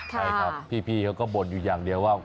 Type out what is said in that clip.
ใช่ครับพี่เขาก็บ่นอยู่อย่างเดียวว่า